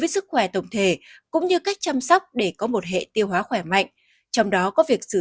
sức khỏe tổng thể cũng như cách chăm sóc để có một hệ tiêu hóa khỏe mạnh trong đó có việc sử